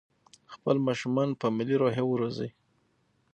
خپل ماشومان په ملي روحيه وروزئ.